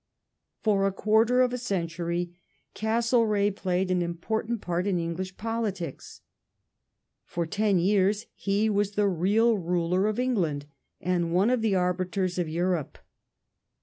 For a quarter of a century Castlereagh played an important pai t in English politics ; for ten yeai s he was the real ruler of England and one of the arbiters of Europe.